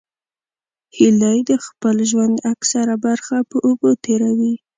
هیلۍ د خپل ژوند اکثره برخه په اوبو تېروي